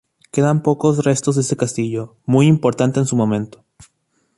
Quedan pocos restos de este castillo, muy importante en su momento.